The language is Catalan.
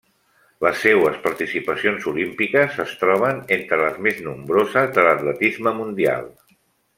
Les seues participacions olímpiques es troben entre les més nombroses de l'atletisme mundial.